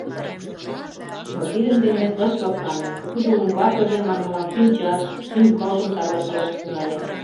Но тидын дене ыш лыплане, тудо умбакыже, манмыла, кӱнчаш, шӱм-кылжым тарватылаш тӱҥале.